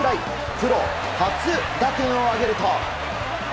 プロ初打点を挙げると。